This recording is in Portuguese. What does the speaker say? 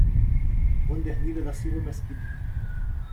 Wandernira da Silva Mesquita